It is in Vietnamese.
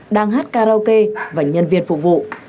đang hát karaoke và nhân viên phục vụ